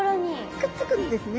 くっつくんですね。